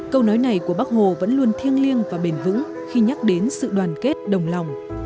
câu nói này của bác hồ vẫn luôn thiêng liêng và bền vững khi nhắc đến sự đoàn kết đồng lòng